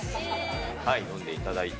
飲んでいただいて。